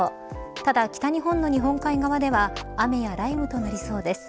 ただ、北日本の日本海側では雨や雷雨となりそうです。